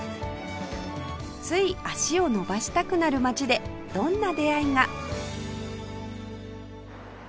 つい足を延ばしたくなる街でどんな出会いが？